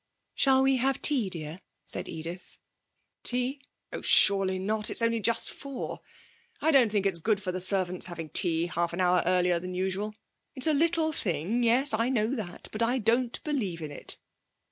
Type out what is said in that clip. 'Shall we have tea, dear?' said Edith. 'Tea? Oh, surely not. It's only just four. I don't think it's good for the servants having tea half an hour earlier than usual. It's a little thing yes, I know that, but I don't believe in it.